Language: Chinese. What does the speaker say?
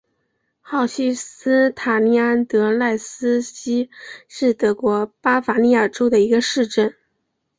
赫希斯塔特安德赖斯希是德国巴伐利亚州的一个市镇。